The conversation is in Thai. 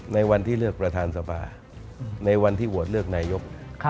ในวันที่เลือกประธานสภาในวันที่โหวตเลือกนายก